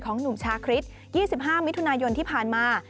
หนุ่มชาคริส๒๕มิถุนายนที่ผ่านมา